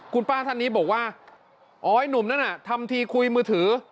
คุณป้าท่านนี้บอกว่าอ๋อไอ้หนุ่มนั่นน่ะทำทีคุยมือถือ